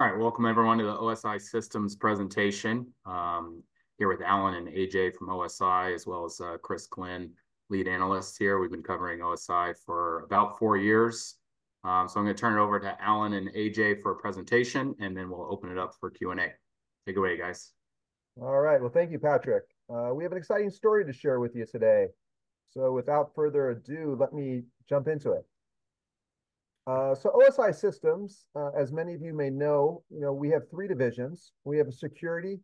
All right, welcome everyone to the OSI Systems presentation. Here with Alan and AJ from OSI, as well as, Chris Quinn, lead analyst here. We've been covering OSI for about four years. So I'm gonna turn it over to Alan and AJ for a presentation, and then we'll open it up for Q&A. Take it away, guys. All right. Well, thank you, Patrick. We have an exciting story to share with you today. So without further ado, let me jump into it. So OSI Systems, as many of you may know, you know, we have three divisions. We have a security,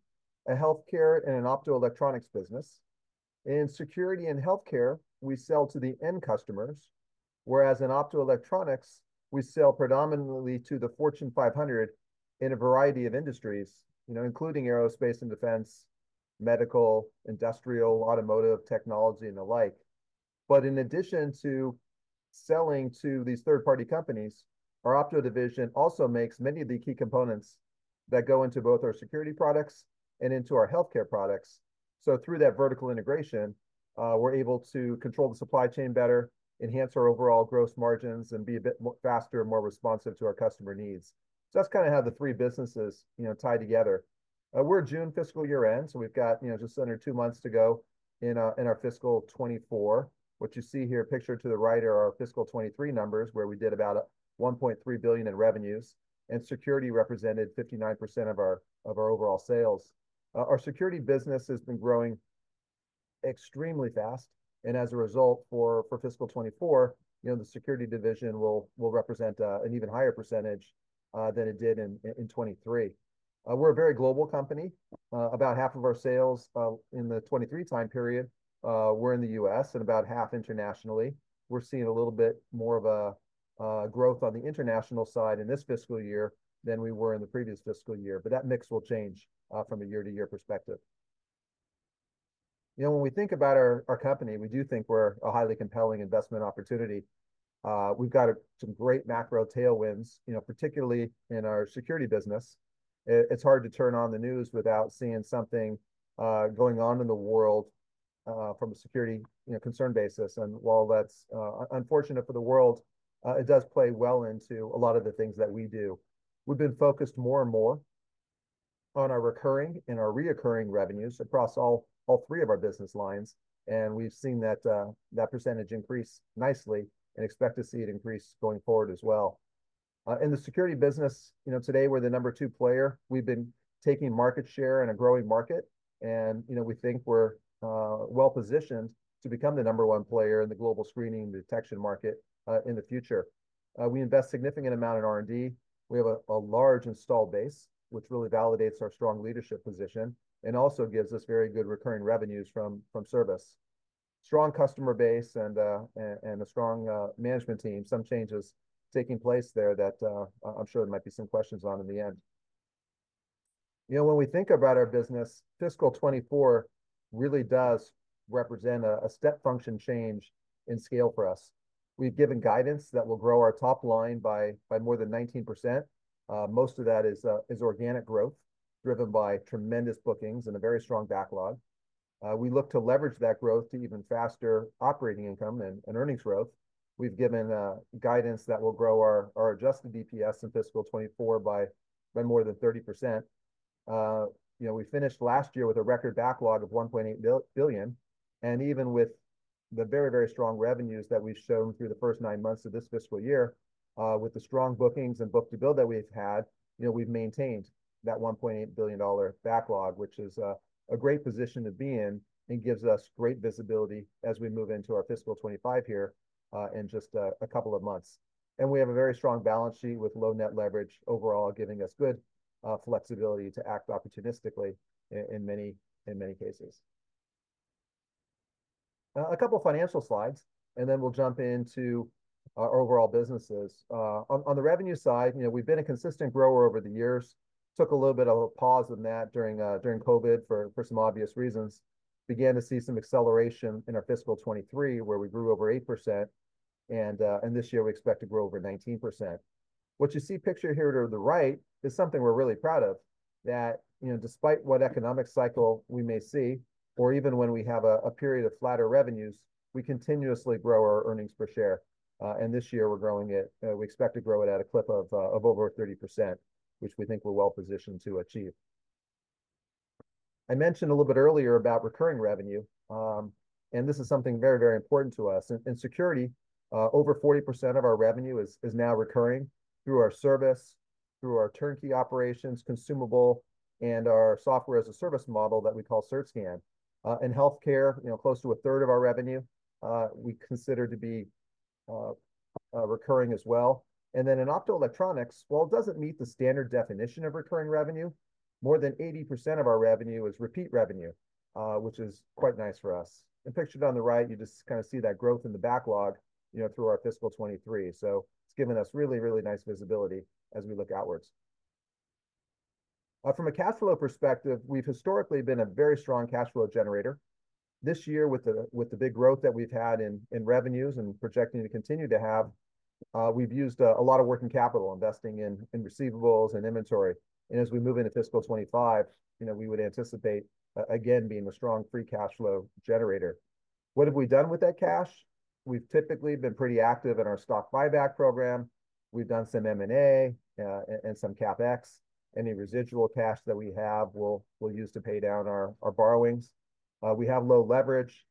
a healthcare, and an Optoelectronics business. In security and healthcare, we sell to the end customers, whereas in Optoelectronics, we sell predominantly to the Fortune 500 in a variety of industries, you know, including aerospace and defense, medical, industrial, automotive, technology, and the like. In addition to selling to these third-party companies, our Opto division also makes many of the key components that go into both our security products and into our healthcare products. Through that vertical integration, we're able to control the supply chain better, enhance our overall gross margins, and be a bit faster and more responsive to our customer needs. That's kinda how the three businesses, you know, tie together. We're a June fiscal year-end, so we've got, you know, just under two months to go in our fiscal 2024. What you see here, pictured to the right, are our fiscal 2023 numbers, where we did about $1.3 billion in revenues, and security represented 59% of our overall sales. Our security business has been growing extremely fast, and as a result, for fiscal 2024, you know, the security division will represent an even higher percentage than it did in 2023. We're a very global company. About half of our sales in the 2023 time period were in the U.S., and about half internationally. We're seeing a little bit more of a growth on the international side in this fiscal year than we were in the previous fiscal year, but that mix will change from a year-to-year perspective. You know, when we think about our company, we do think we're a highly compelling investment opportunity. We've got some great macro tailwinds, you know, particularly in our security business. It's hard to turn on the news without seeing something going on in the world from a security concern basis. While that's unfortunate for the world, it does play well into a lot of the things that we do. We've been focused more and more on our recurring and our reoccurring revenues across all three of our business lines, and we've seen that percentage increase nicely and expect to see it increase going forward as well. In the security business, you know, today, we're the number two player. We've been taking market share in a growing market, and, you know, we think we're well-positioned to become the number one player in the global screening and detection market in the future. We invest significant amount in R&D. We have a large installed base, which really validates our strong leadership position and also gives us very good recurring revenues from service. Strong customer base and a strong management team. Some changes taking place there that, I'm sure there might be some questions on in the end. You know, when we think about our business, fiscal 2024 really does represent a step function change in scale for us. We've given guidance that we'll grow our top line by more than 19%. Most of that is organic growth, driven by tremendous bookings and a very strong backlog. We look to leverage that growth to even faster operating income and earnings growth. We've given guidance that we'll grow our adjusted EPS in fiscal 2024 by more than 30%. You know, we finished last year with a record backlog of $1.8 billion, and even with the very, very strong revenues that we've shown through the first nine months of this fiscal year, with the strong bookings and book-to-bill that we've had, you know, we've maintained that $1.8 billion backlog, which is a great position to be in and gives us great visibility as we move into our fiscal 2025 year in just a couple of months. We have a very strong balance sheet with low net leverage overall, giving us good flexibility to act opportunistically in many cases. A couple financial slides, and then we'll jump into our overall businesses. On the revenue side, you know, we've been a consistent grower over the years. Took a little bit of a pause on that during, during COVID for, for some obvious reasons. Began to see some acceleration in our fiscal 2023, where we grew over 8%, and, and this year, we expect to grow over 19%. What you see pictured here to the right is something we're really proud of, that, you know, despite what economic cycle we may see, or even when we have a period of flatter revenues, we continuously grow our earnings per share. This year, we're growing it we expect to grow it at a clip of, of over 30%, which we think we're well positioned to achieve. I mentioned a little bit earlier about recurring revenue, and this is something very, very important to us. In security, over 40% of our revenue is now recurring through our service, through our turnkey operations, consumable, and our software-as-a-service model that we call CertScan. In healthcare, you know, close to a third of our revenue, we consider to be recurring as well. Then in Optoelectronics, while it doesn't meet the standard definition of recurring revenue, more than 80% of our revenue is repeat revenue, which is quite nice for us. And pictured on the right, you just kinda see that growth in the backlog, you know, through our fiscal 2023. So it's given us really, really nice visibility as we look outwards. From a cash flow perspective, we've historically been a very strong cash flow generator. This year, with the big growth that we've had in revenues and projecting to continue to have, we've used a lot of working capital, investing in receivables and inventory. As we move into fiscal 2025, you know, we would anticipate again being a strong free cash flow generator. What have we done with that cash? We've typically been pretty active in our stock buyback program. We've done some M&A and some CapEx. Any residual cash that we have, we'll use to pay down our borrowings. We have low leverage.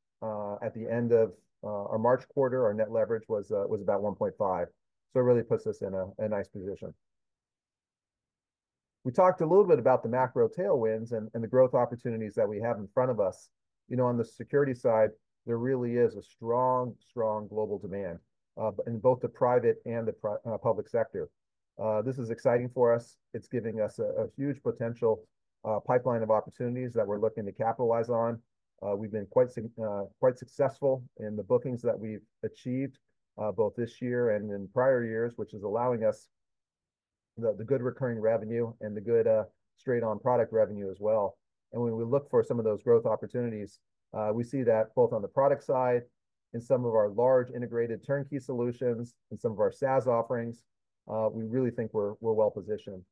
At the end of our March quarter, our net leverage was about 1.5, so it really puts us in a nice position. We talked a little bit about the macro tailwinds and the growth opportunities that we have in front of us. You know, on the security side, there really is a strong, strong global demand in both the private and the public sector. This is exciting for us. It's giving us a huge potential pipeline of opportunities that we're looking to capitalize on. We've been quite successful in the bookings that we've achieved both this year and in prior years, which is allowing us the good recurring revenue and the good straight-on product revenue as well. When we look for some of those growth opportunities, we see that both on the product side, in some of our large integrated turnkey solutions, in some of our SaaS offerings, we really think we're well positioned.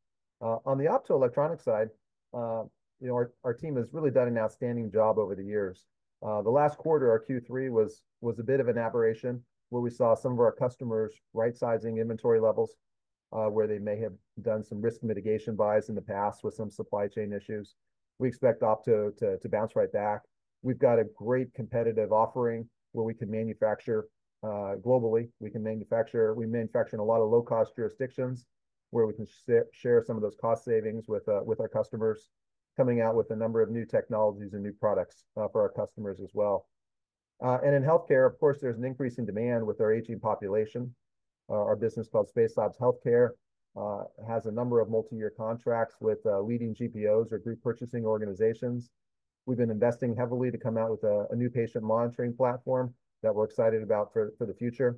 On the Optoelectronic side, you know, our team has really done an outstanding job over the years. The last quarter, our Q3 was a bit of an aberration, where we saw some of our customers right-sizing inventory levels, where they may have done some risk mitigation buys in the past with some supply chain issues. We expect Opto to bounce right back. We've got a great competitive offering where we can manufacture globally. We manufacture in a lot of low-cost jurisdictions, where we can share some of those cost savings with our customers, coming out with a number of new technologies and new products for our customers as well. And in healthcare, of course, there's an increasing demand with our aging population. Our business, called Spacelabs Healthcare, has a number of multi-year contracts with leading GPOs or group purchasing organizations. We've been investing heavily to come out with a new patient monitoring platform that we're excited about for the future.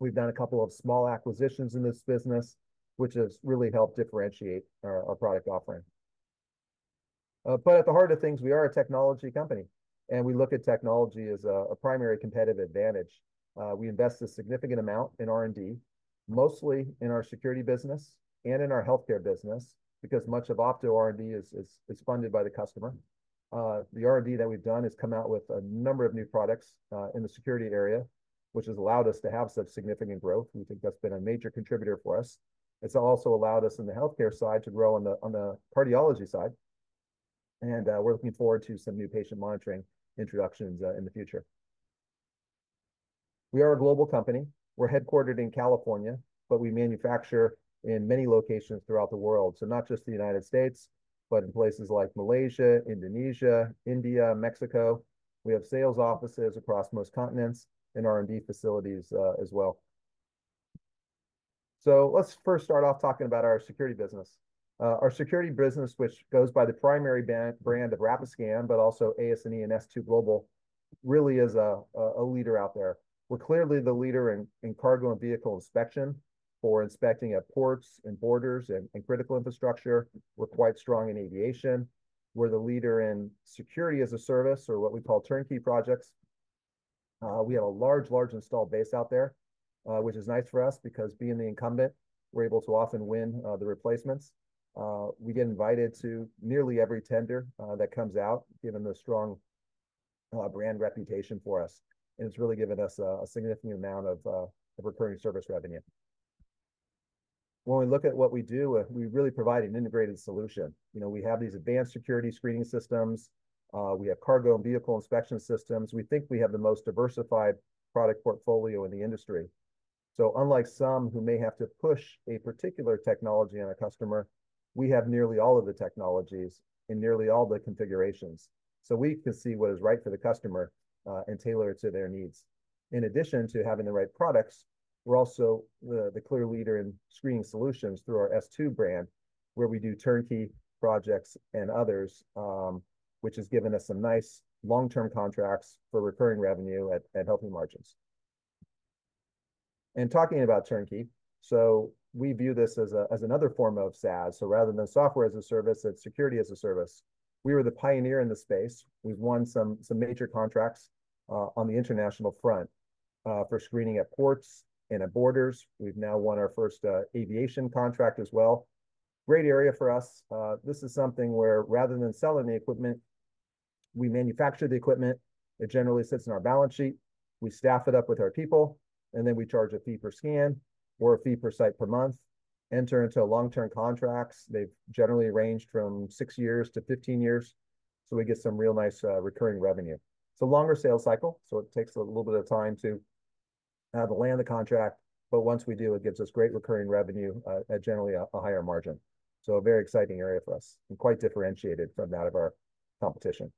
We've done a couple of small acquisitions in this business, which has really helped differentiate our product offering. At the heart of things, we are a technology company, and we look at technology as a primary competitive advantage. We invest a significant amount in R&D, mostly in our security business and in our healthcare business, because much of Opto R&D is funded by the customer. The R&D that we've done has come out with a number of new products in the security area, which has allowed us to have such significant growth. We think that's been a major contributor for us. It's also allowed us, in the healthcare side, to grow on the cardiology side, and, we're looking forward to some new patient monitoring introductions, in the future. We are a global company. We're headquartered in California, but we manufacture in many locations throughout the world, so not just the United States, but in places like Malaysia, Indonesia, India, Mexico. We have sales offices across most continents and R&D facilities, as well. So let's first start off talking about our security business. Our security business, which goes by the primary brand of Rapiscan, but also AS&E and S2 Global, really is a leader out there. We're clearly the leader in cargo and vehicle inspection for inspecting at ports and borders and critical infrastructure. We're quite strong in aviation. We're the leader in security as a service, or what we call turnkey projects. We have a large, large installed base out there, which is nice for us, because being the incumbent, we're able to often win the replacements. We get invited to nearly every tender that comes out, given the strong brand reputation for us, and it's really given us a, a significant amount of, of recurring service revenue. When we look at what we do, we really provide an integrated solution. You know, we have these advanced security screening systems, we have cargo and vehicle inspection systems. We think we have the most diversified product portfolio in the industry. Unlike some who may have to push a particular technology on a customer, we have nearly all of the technologies in nearly all the configurations, so we can see what is right for the customer, and tailor it to their needs. In addition to having the right products, we're also the, the clear leader in screening solutions through our S2 brand, where we do turnkey projects and others, which has given us some nice long-term contracts for recurring revenue at, and healthy margins. Talking about turnkey, so we view this as a, as another form of SaaS, so rather than software as a service, it's security as a service. We were the pioneer in this space. We've won some major contracts on the international front for screening at ports and at borders. We've now won our first aviation contract as well. Great area for us. This is something where, rather than selling the equipment, we manufacture the equipment. It generally sits in our balance sheet. We staff it up with our people, and then we charge a fee per scan or a fee per site per month, enter into long-term contracts. They've generally ranged from six years to 15 years, so we get some real nice, recurring revenue. It's a longer sales cycle, so it takes a little bit of time to land the contract, but once we do, it gives us great recurring revenue, at generally a higher margin. So a very exciting area for us and quite differentiated from that of our competition.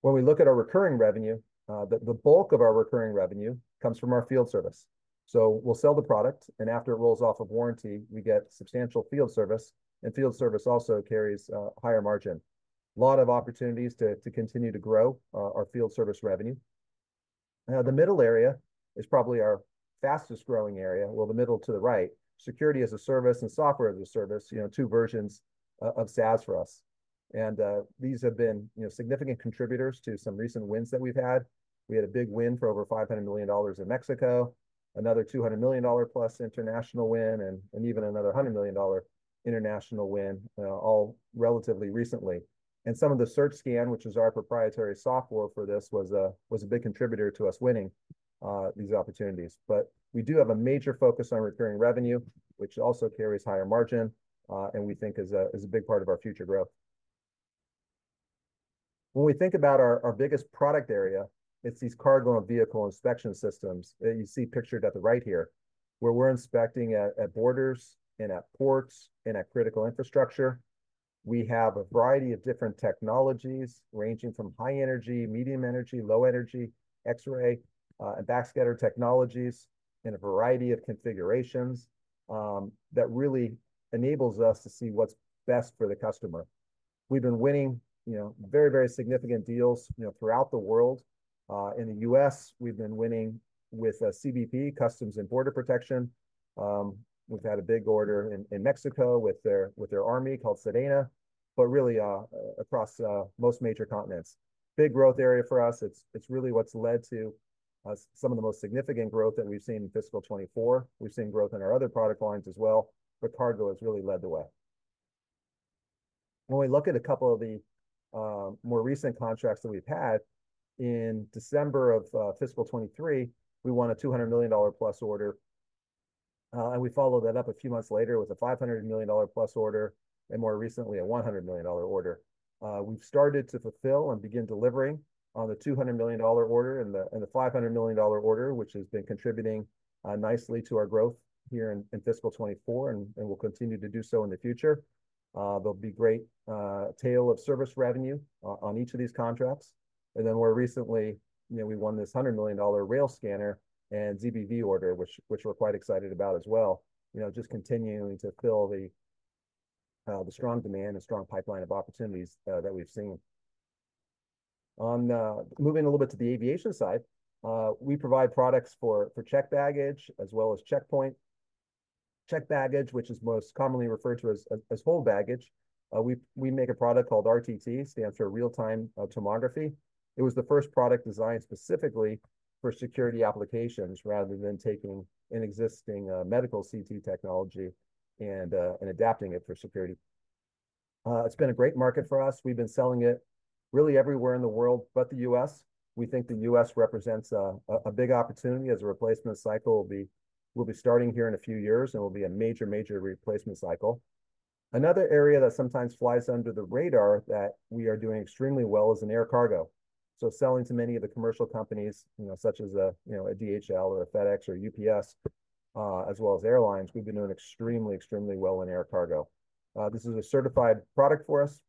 When we look at our recurring revenue, the bulk of our recurring revenue comes from our field service. We'll sell the product, and after it rolls off of warranty, we get substantial field service, and field service also carries higher margin. Lot of opportunities to continue to grow our field service revenue. The middle area is probably our fastest-growing area, well, the middle to the right. Security as a service and software as a service, you know, two versions of SaaS for us, and these have been, you know, significant contributors to some recent wins that we've had. We had a big win for over $500 million in Mexico, another $200 million plus international win, and even another $100 million international win, all relatively recently. And some of the CertScan, which is our proprietary software for this, was a big contributor to us winning these opportunities. We do have a major focus on recurring revenue, which also carries higher margin, and we think is a big part of our future growth. When we think about our biggest product area, it's these cargo and vehicle inspection systems that you see pictured at the right here, where we're inspecting at borders and at ports and at critical infrastructure. We have a variety of different technologies, ranging from high energy, medium energy, low energy, X-ray, and backscatter technologies in a variety of configurations, that really enables us to see what's best for the customer. We've been winning, you know, very, very significant deals, you know, throughout the world. In the U.S., we've been winning with CBP, Customs and Border Protection. We've had a big order in Mexico with their army called SEDENA, but really across most major continents. Big growth area for us. It's really what's led to some of the most significant growth that we've seen in fiscal 2024. We've seen growth in our other product lines as well, but cargo has really led the way. When we look at a couple of the more recent contracts that we've had, in December of fiscal 2023, we won a $200 million plus order. And we followed that up a few months later with a $500 million plus order, and more recently, a $100 million order. We've started to fulfill and begin delivering on the $200 million order and the $500 million order, which has been contributing nicely to our growth here in fiscal 2024 and will continue to do so in the future. There'll be great tail of service revenue on each of these contracts. Then more recently, you know, we won this $100 million rail scanner and ZBV order, which we're quite excited about as well, you know, just continuing to fill the strong demand and strong pipeline of opportunities that we've seen. Moving a little bit to the aviation side, we provide products for checked baggage as well as checkpoint. Checked baggage, which is most commonly referred to as hold baggage, we make a product called RTT, stands for Real-Time Tomography. It was the first product designed specifically for security applications, rather than taking an existing medical CT technology and adapting it for security. It's been a great market for us. We've been selling it really everywhere in the world but the U.S. We think the U.S. represents a big opportunity as a replacement cycle will be starting here in a few years and will be a major replacement cycle. Another area that sometimes flies under the radar that we are doing extremely well is in air cargo. So selling to many of the commercial companies, you know, such as DHL or FedEx or UPS, as well as airlines. We've been doing extremely, extremely well in air cargo. This is a certified product for us.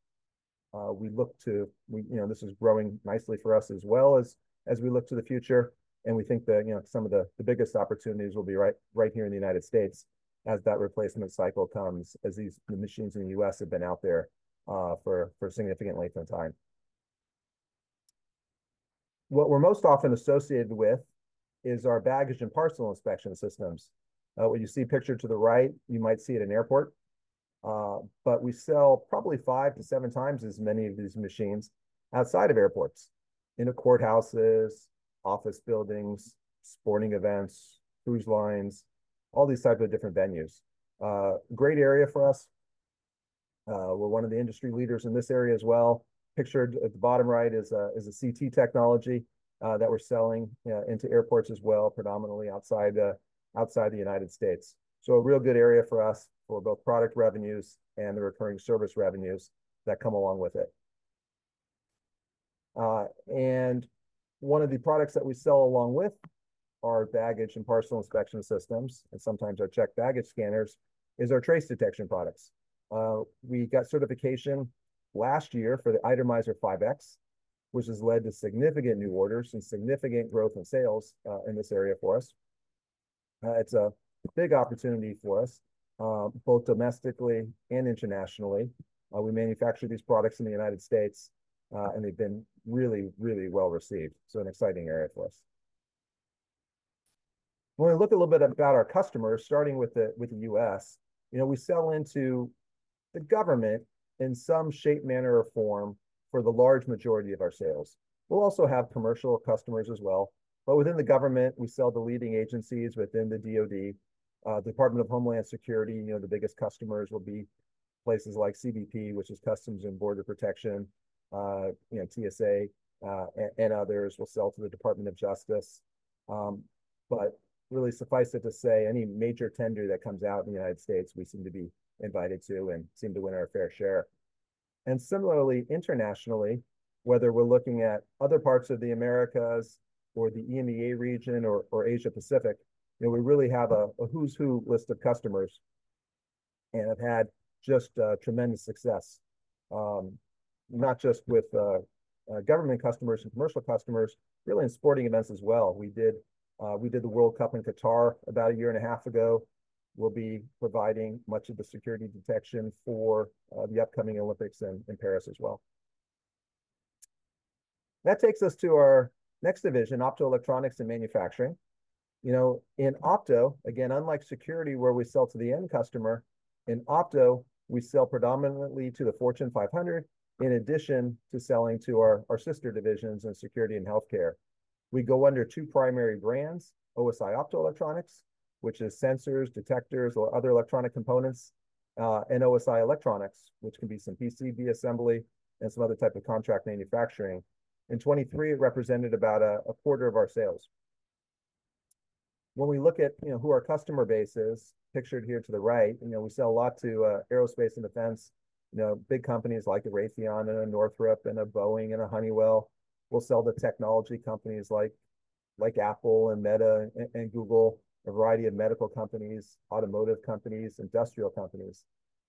We look to—we, you know, this is growing nicely for us as well as, as we look to the future, and we think that, you know, some of the biggest opportunities will be right, right here in the United States as that replacement cycle comes, as these machines in the U.S. have been out there for a significant length of time. What we're most often associated with is our baggage and parcel inspection systems. What you see pictured to the right, you might see at an airport, but we sell probably 5-7x as many of these machines outside of airports, into courthouses, office buildings, sporting events, cruise lines, all these types of different venues. Great area for us. We're one of the industry leaders in this area as well. Pictured at the bottom right is a CT technology that we're selling into airports as well, predominantly outside the United States. So a real good area for us for both product revenues and the recurring service revenues that come along with it. One of the products that we sell along with our baggage and parcel inspection systems, and sometimes our checked baggage scanners, is our trace detection products. We got certification last year for the Itemiser 5X, which has led to significant new orders and significant growth in sales in this area for us. It's a big opportunity for us both domestically and internationally. We manufacture these products in the United States, and they've been really, really well-received, so an exciting area for us. When we look a little bit about our customers, starting with the U.S., you know, we sell into the government in some shape, manner, or form for the large majority of our sales. We'll also have commercial customers as well, but within the government, we sell to leading agencies within the DoD, Department of Homeland Security. You know, the biggest customers will be places like CBP, which is Customs and Border Protection, you know, TSA, and others. We'll sell to the Department of Justice. But really suffice it to say, any major tender that comes out in the United States, we seem to be invited to and seem to win our fair share. Similarly, internationally, whether we're looking at other parts of the Americas or the EMEA region or Asia-Pacific, you know, we really have a who's who list of customers and have had just tremendous success, not just with government customers and commercial customers, really in sporting events as well. We did the World Cup in Qatar about a year and a half ago. We'll be providing much of the security detection for the upcoming Olympics in Paris as well. That takes us to our next division, Optoelectronics and Manufacturing. You know, in Opto, again, unlike security, where we sell to the end customer, in Opto, we sell predominantly to the Fortune 500 in addition to selling to our sister divisions in security and healthcare. We go under two primary brands: OSI Optoelectronics, which is sensors, detectors, or other electronic components, and OSI Electronics, which can be some PCB assembly and some other type of contract manufacturing. In 2023, it represented about a quarter of our sales. When we look at, you know, who our customer base is, pictured here to the right, you know, we sell a lot to aerospace and defense. You know, big companies like a Raytheon and a Northrop and a Boeing and a Honeywell. We'll sell to technology companies like, like Apple and Meta and, and Google, a variety of medical companies, automotive companies, industrial companies.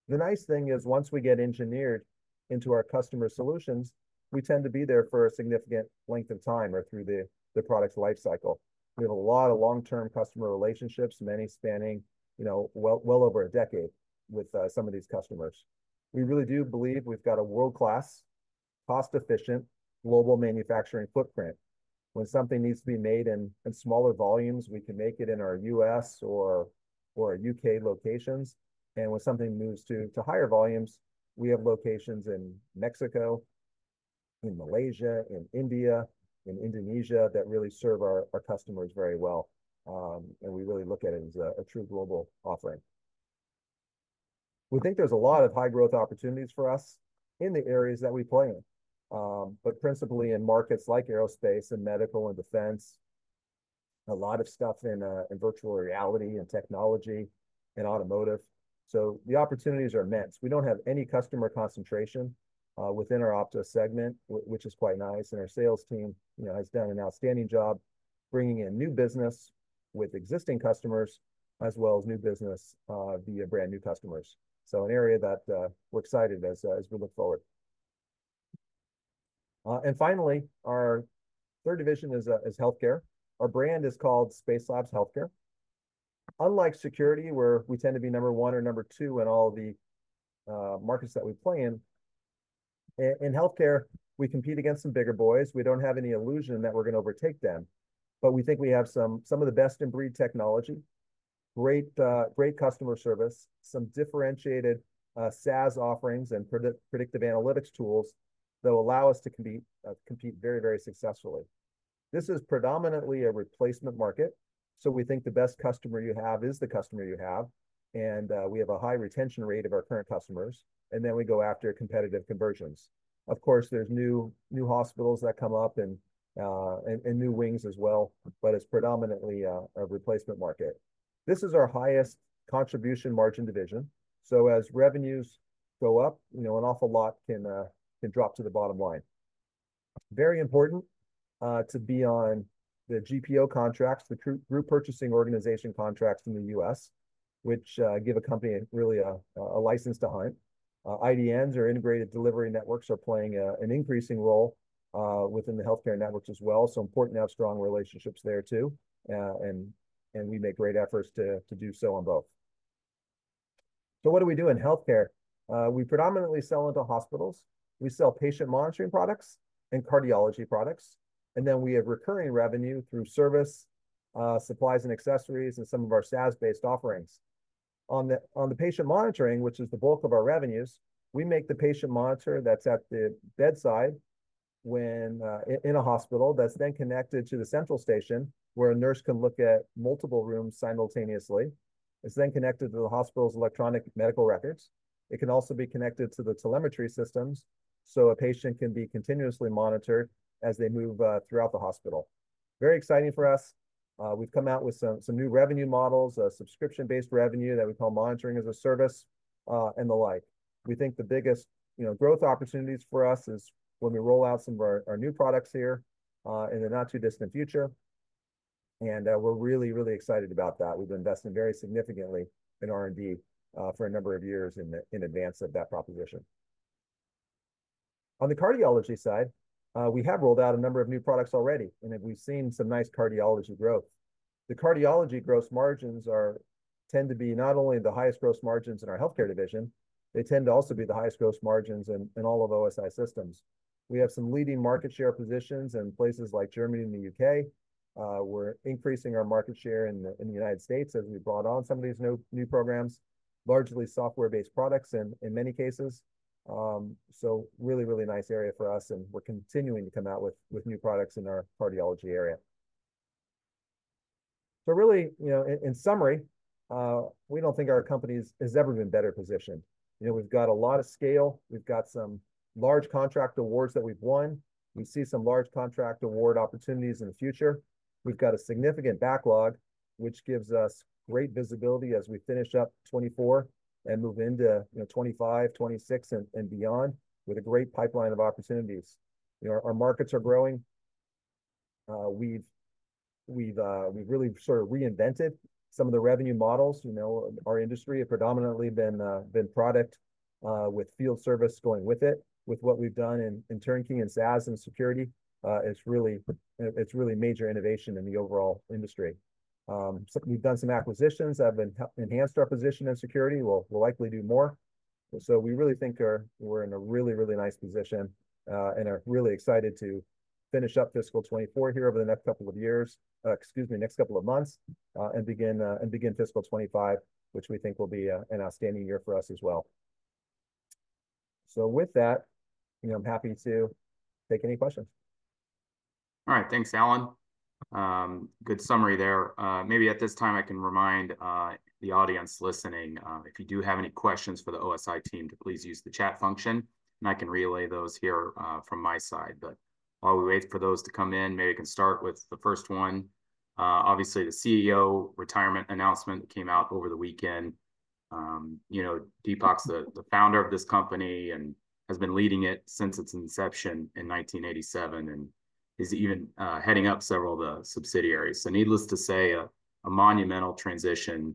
The nice thing is, once we get engineered into our customer solutions, we tend to be there for a significant length of time or through the product's life cycle. We have a lot of long-term customer relationships, many spanning, you know, well, well over a decade with some of these customers. We really do believe we've got a world-class, cost-efficient, global manufacturing footprint. When something needs to be made in smaller volumes, we can make it in our U.S. or U.K. locations, and when something moves to higher volumes, we have locations in Mexico, in Malaysia, in India, in Indonesia, that really serve our customers very well. We really look at it as a true global offering. We think there's a lot of high-growth opportunities for us in the areas that we play in, but principally in markets like aerospace and medical and defense, a lot of stuff in virtual reality and technology and automotive. So the opportunities are immense. We don't have any customer concentration within our Opto segment, which is quite nice, and our sales team, you know, has done an outstanding job bringing in new business with existing customers, as well as new business via brand-new customers. So an area that we're excited as we look forward. And finally, our third division is healthcare. Our brand is called Spacelabs Healthcare. Unlike security, where we tend to be number one or number two in all the markets that we play in, in healthcare, we compete against some bigger boys. We don't have any illusion that we're gonna overtake them, but we think we have some of the best-in-breed technology, great customer service, some differentiated SaaS offerings, and predictive analytics tools that will allow us to compete very, very successfully. This is predominantly a replacement market, so we think the best customer you have is the customer you have, and we have a high retention rate of our current customers, and then we go after competitive conversions. Of course, there's new, new hospitals that come up and, and new wings as well, but it's predominantly a replacement market. This is our highest contribution margin division, so as revenues go up, you know, an awful lot can drop to the bottom line. Very important to be on the GPO contracts, the group purchasing organization contracts in the U.S., which give a company really a license to hunt. IDNs or integrated delivery networks are playing an increasing role within the healthcare networks as well, so important to have strong relationships there too. We make great efforts to do so on both. What do we do in healthcare? We predominantly sell into hospitals. We sell patient monitoring products and cardiology products, and then we have recurring revenue through service, supplies and accessories, and some of our SaaS-based offerings. On the patient monitoring, which is the bulk of our revenues, we make the patient monitor that's at the bedside when in a hospital, that's then connected to the central station, where a nurse can look at multiple rooms simultaneously. It's then connected to the hospital's electronic medical records. It can also be connected to the telemetry systems, so a patient can be continuously monitored as they move throughout the hospital. Very exciting for us. We've come out with some new revenue models, a subscription-based revenue that we call monitoring as a service, and the like. We think the biggest, you know, growth opportunities for us is when we roll out some of our new products here in the not-too-distant future, and we're really, really excited about that. We've been investing very significantly in R&D for a number of years in advance of that proposition. On the cardiology side, we have rolled out a number of new products already, and we've seen some nice cardiology growth. The cardiology gross margins are, tend to be not only the highest gross margins in our healthcare division, they tend to also be the highest gross margins in all of OSI Systems. We have some leading market share positions in places like Germany and the U.K. We're increasing our market share in the, in the United States as we've brought on some of these new, new programs, largely software-based products in, in many cases. So really, really nice area for us, and we're continuing to come out with, with new products in our cardiology area. So really, you know, in, in summary, we don't think our company has ever been better positioned. You know, we've got a lot of scale. We've got some large contract awards that we've won. We see some large contract award opportunities in the future. We've got a significant backlog, which gives us great visibility as we finish up 2024 and move into, you know, 2025, 2026, and, and beyond with a great pipeline of opportunities. You know, our markets are growing. We've, we've, we've really sort of reinvented some of the revenue models. You know, our industry have predominantly been product with field service going with it. With what we've done in turnkey and SaaS and security, it's really major innovation in the overall industry. We've done some acquisitions that have enhanced our position in security. We'll likely do more. So we really think we're in a really, really nice position and are really excited to finish up fiscal 2024 here over the next couple of years, excuse me, next couple of months, and begin fiscal 2025, which we think will be an outstanding year for us as well. So with that, you know, I'm happy to take any questions. All right. Thanks, Alan. Good summary there. Maybe at this time I can remind the audience listening if you do have any questions for the OSI team, to please use the chat function, and I can relay those here from my side. But while we wait for those to come in, maybe I can start with the first one. Obviously, the CEO retirement announcement came out over the weekend. You know, Deepak's the founder of this company and has been leading it since its inception in 1987, and is even heading up several of the subsidiaries. So needless to say, a monumental transition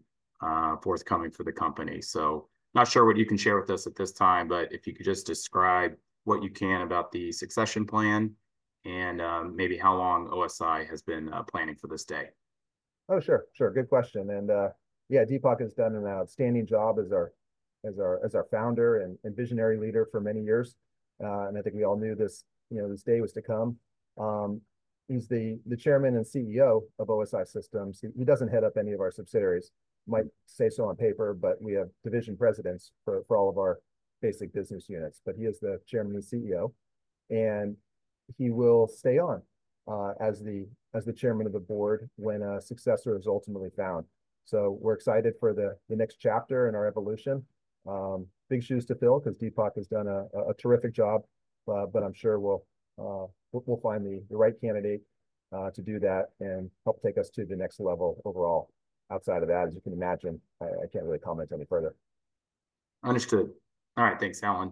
forthcoming for the company. Not sure what you can share with us at this time, but if you could just describe what you can about the succession plan and maybe how long OSI has been planning for this day? Oh, sure. Sure. Good question. Yeah, Deepak has done an outstanding job as our founder and visionary leader for many years. I think we all knew this, you know, this day was to come. He's the Chairman and CEO of OSI Systems. He doesn't head up any of our subsidiaries. Might say so on paper, but we have division presidents for all of our basic business units. But he is the Chairman and CEO, and he will stay on as the Chairman of the board when a successor is ultimately found. So we're excited for the next chapter in our evolution. Big shoes to fill 'cause Deepak has done a terrific job, but I'm sure we'll find the right candidate to do that and help take us to the next level overall. Outside of that, as you can imagine, I can't really comment any further. Understood. All right, thanks, Alan.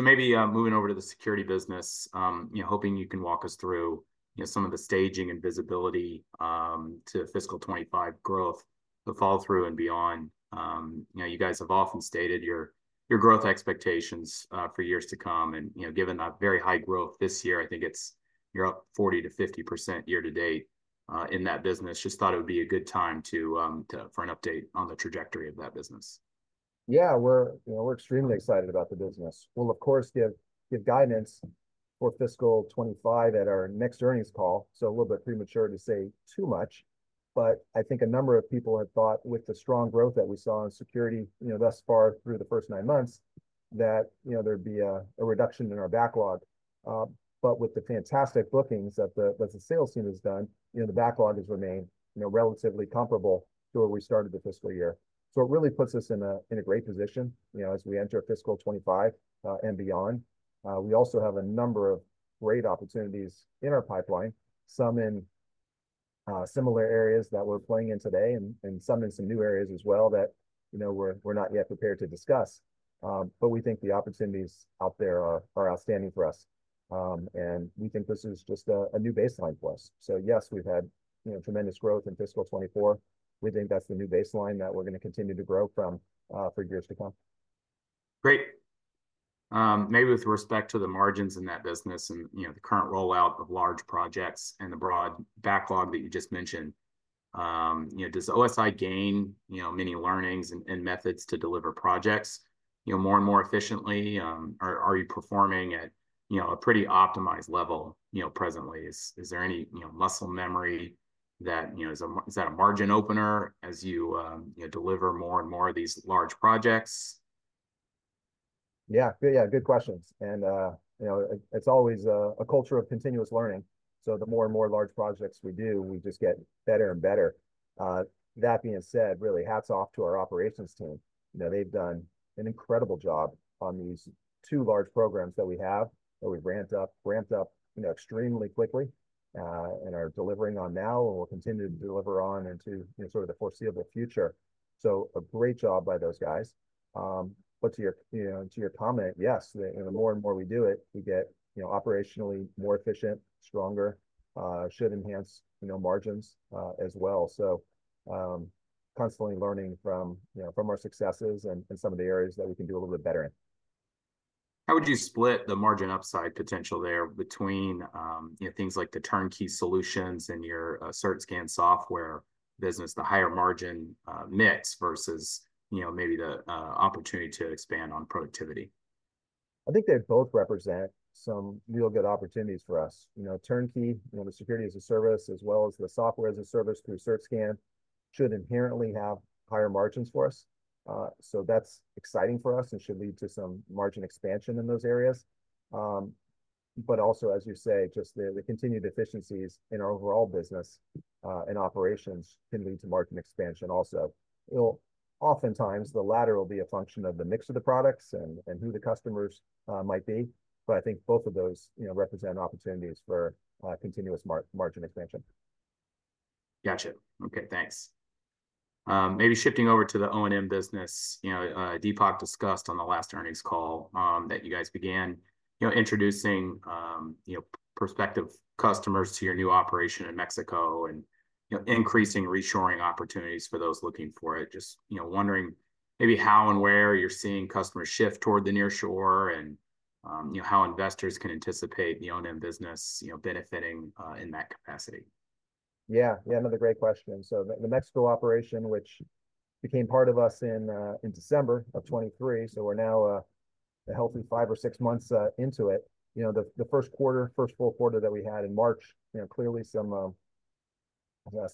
Maybe moving over to the security business, you know, hoping you can walk us through, you know, some of the staging and visibility to fiscal 2025 growth, the follow-through and beyond. You know, you guys have often stated your growth expectations for years to come. You know, given that very high growth this year, I think it's. You're up 40%-50% year to date in that business. Just thought it would be a good time for an update on the trajectory of that business? Yeah, you know, we're extremely excited about the business. We'll, of course, give guidance for fiscal 2025 at our next earnings call, so a little bit premature to say too much. But I think a number of people had thought with the strong growth that we saw in security, you know, thus far through the first nine months, that, you know, there'd be a reduction in our backlog. But with the fantastic bookings that the sales team has done, you know, the backlog has remained, you know, relatively comparable to where we started the fiscal year. So it really puts us in a great position, you know, as we enter fiscal 2025, and beyond. We also have a number of great opportunities in our pipeline, some in similar areas that we're playing in today and some in some new areas as well that, you know, we're not yet prepared to discuss. But we think the opportunities out there are outstanding for us, and we think this is just a new baseline for us. So yes, we've had, you know, tremendous growth in fiscal 2024. We think that's the new baseline that we're gonna continue to grow from, for years to come. Great. Maybe with respect to the margins in that business and, you know, the current rollout of large projects and the broad backlog that you just mentioned, you know, does OSI gain, you know, many learnings and methods to deliver projects, you know, more and more efficiently? Are you performing at, you know, a pretty optimized level, you know, presently? Is there any, you know, muscle memory that, you know, is that a margin opener as you, you know, deliver more and more of these large projects? Yeah. Yeah, good questions. You know, it's always a culture of continuous learning, so the more and more large projects we do, we just get better and better. That being said, really hats off to our operations team. You know, they've done an incredible job on these two large programs that we have, that we've ramped up, ramped up, you know, extremely quickly and are delivering on now and will continue to deliver on into, you know, sort of the foreseeable future. So a great job by those guys. But to your, you know, to your comment, yes, the, you know, the more and more we do it, we get, you know, operationally more efficient, stronger. Should enhance, you know, margins as well. Constantly learning from, you know, from our successes and some of the areas that we can do a little bit better in. How would you split the margin upside potential there between, you know, things like the turnkey solutions and your CertScan software business, the higher margin mix versus, you know, maybe the opportunity to expand on productivity? I think they both represent some real good opportunities for us. You know, turnkey, you know, the security as a service, as well as the software as a service through CertScan, should inherently have higher margins for us. So that's exciting for us and should lead to some margin expansion in those areas. But also, as you say, just the continued efficiencies in our overall business and operations can lead to margin expansion also. It'll, oftentimes, the latter will be a function of the mix of the products and who the customers might be, but I think both of those, you know, represent opportunities for continuous margin expansion. Gotcha. Okay, thanks. Maybe shifting over to the O&M business. You know, Deepak discussed on the last earnings call that you guys began, you know, introducing, you know, prospective customers to your new operation in Mexico and, you know, increasing reshoring opportunities for those looking for it. Just, you know, wondering maybe how and where you're seeing customers shift toward the nearshore and, you know, how investors can anticipate the O&M business, you know, benefiting in that capacity? Yeah, yeah, another great question. So the Mexico operation, which became part of us in December of 2023, so we're now a healthy five or six months into it. You know, the first quarter, first full quarter that we had in March, you know, clearly some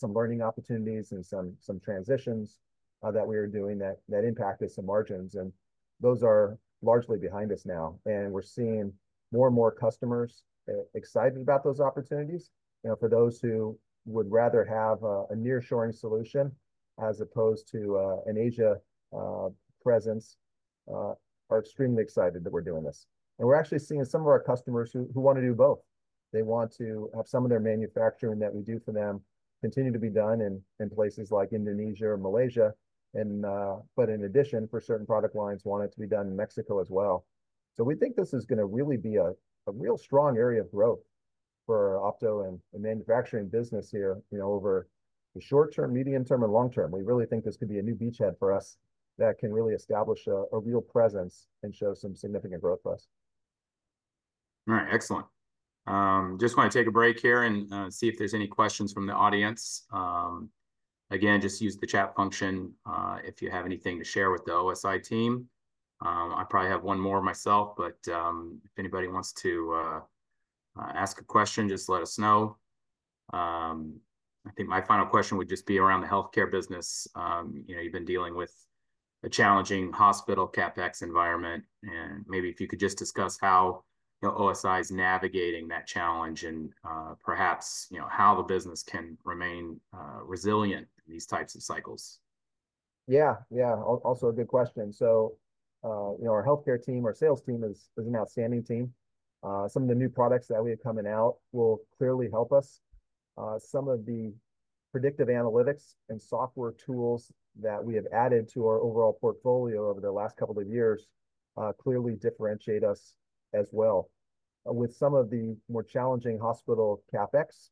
learning opportunities and some transitions that we are doing that impacted some margins, and those are largely behind us now. We're seeing more and more customers excited about those opportunities. You know, for those who would rather have a nearshoring solution as opposed to an Asia presence are extremely excited that we're doing this. We're actually seeing some of our customers who wanna do both. They want to have some of their manufacturing that we do for them continue to be done in places like Indonesia or Malaysia, and. But in addition, for certain product lines, want it to be done in Mexico as well. We think this is gonna really be a real strong area of growth for Opto and the manufacturing business here, you know, over the short term, medium term, and long term. We really think this could be a new beachhead for us that can really establish a real presence and show some significant growth for us. All right, excellent. Just wanna take a break here and see if there's any questions from the audience. Again, just use the chat function if you have anything to share with the OSI team. I probably have one more myself, but if anybody wants to ask a question, just let us know. I think my final question would just be around the healthcare business. You know, you've been dealing with a challenging hospital CapEx environment, and maybe if you could just discuss how, you know, OSI is navigating that challenge and perhaps, you know, how the business can remain resilient in these types of cycles? Yeah, yeah. Also a good question. So, you know, our healthcare team, our sales team is, is an outstanding team. Some of the new products that we have coming out will clearly help us. Some of the predictive analytics and software tools that we have added to our overall portfolio over the last couple of years clearly differentiate us as well. With some of the more challenging hospital CapEx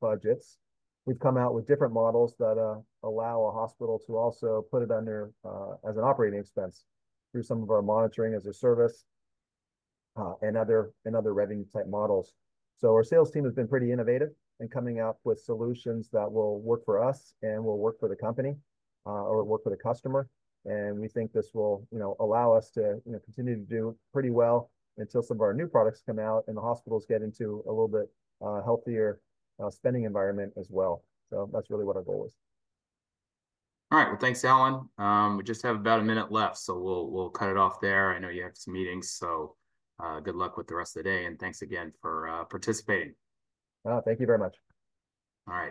budgets, we've come out with different models that allow a hospital to also put it on their as an operating expense through some of our monitoring as a service, and other revenue-type models. Our sales team has been pretty innovative in coming up with solutions that will work for us and will work for the company, or work for the customer, and we think this will, you know, allow us to, you know, continue to do pretty well until some of our new products come out and the hospitals get into a little bit, healthier, spending environment as well. So that's really what our goal is. All right. Well, thanks, Alan. We just have about a minute left, so we'll cut it off there. I know you have some meetings, so good luck with the rest of the day, and thanks again for participating. Oh, thank you very much. All right.